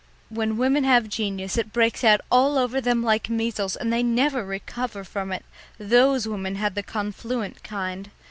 When women have genius it breaks out all over them like measles, and they never recover from it; those women had the confluent kind.